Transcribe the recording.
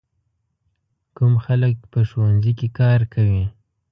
کوم خلک په ښوونځي کې کار کوي؟